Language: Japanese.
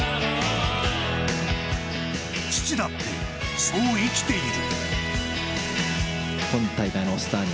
父だって、そう生きている。